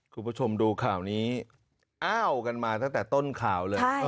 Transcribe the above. คุณผู้ชมดูข่าวนี้อ้าวกันมาตั้งแต่ต้นข่าวเลย